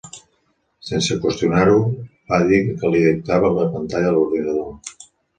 Sense qüestionar-ho va dir el que li dictava la pantalla de l'ordinador.